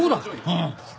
うん。